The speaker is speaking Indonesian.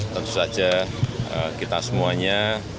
tentu saja kita semuanya